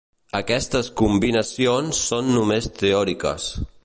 Aquestes combinacions són només teòriques.